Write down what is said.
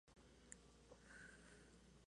Medina no desarrolló la idea.